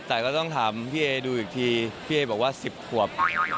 แต่ก็ต้องถามพี่เอดูอีกทีพี่เอบอกว่า๑๐ขวบ